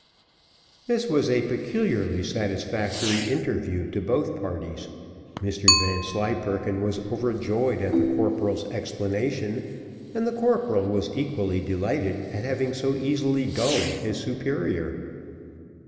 This was a peculiarly satisfactory interview to both parties. Mr Vanslyperken was overjoyed at the corporal's explanation, and the corporal was equally delighted at having so easily gulled his superior.